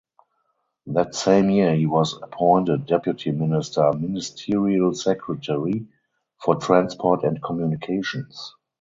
That same year he was appointed deputy minister (ministerial secretary) for transport and communications.